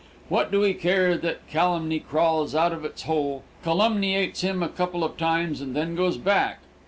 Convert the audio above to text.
What do we care that calumny crawls out of its hole, calumniates him a couple of times and then goes back?